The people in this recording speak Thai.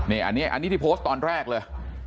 นี่อันนี้ที่โพสต์ตอนแรกเลย